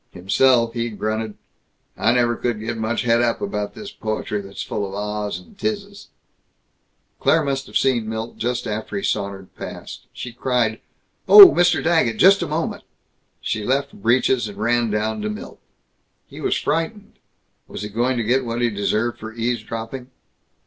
Himself, he grunted, "I never could get much het up about this poetry that's full of Ah's and 'tises." Claire must have seen Milt just after he had sauntered past. She cried, "Oh, Mr. Daggett! Just a moment!" She left Breeches, ran down to Milt. He was frightened. Was he going to get what he deserved for eavesdropping?